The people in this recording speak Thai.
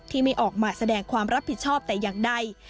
ที่ไม่ออกมาแสดงความรับผิดชอบแต่อย่างใด